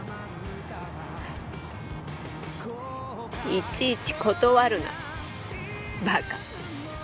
いちいち断るな馬鹿。